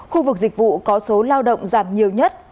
khu vực dịch vụ có số lao động giảm nhiều nhất